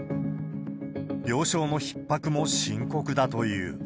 病床のひっ迫も深刻だという。